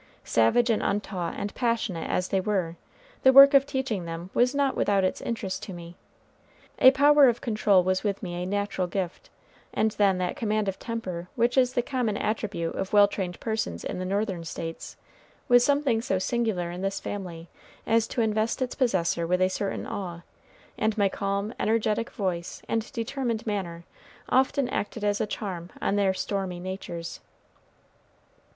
Savage and untaught and passionate as they were, the work of teaching them was not without its interest to me. A power of control was with me a natural gift; and then that command of temper which is the common attribute of well trained persons in the Northern states, was something so singular in this family as to invest its possessor with a certain awe; and my calm, energetic voice, and determined manner, often acted as a charm on their stormy natures.